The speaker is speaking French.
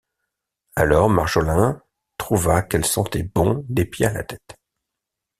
Alors, Marjolin trouva qu’elle sentait bon des pieds à la tête.